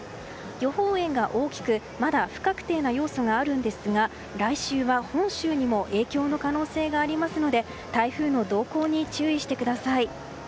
予報円が大きくまだ不確定な要素があるんですが来週は本州にも影響の可能性がありますので台風の動向に注意してください。